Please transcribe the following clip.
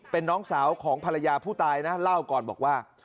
เป็นน้องสาวของภรรยาผู้ตายนะเล่าก่อนบอกว่า